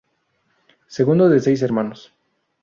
Segundo de seis hermanos.